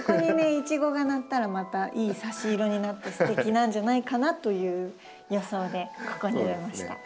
イチゴがなったらまたいい差し色になってすてきなんじゃないかなという予想でここに植えました。